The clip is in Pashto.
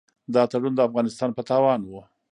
دا تړون د افغانستان په تاوان و.